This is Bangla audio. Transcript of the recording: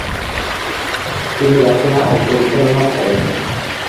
তিনি রচনা ও পরিচালনাও করেন।